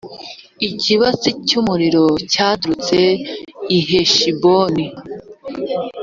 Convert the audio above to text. ikibatsi cy’umuriro cyaturutse i heshiboni.